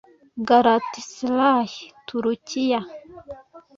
Galatasaray (Turukiya)